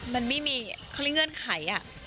มันไม่มีเงินไข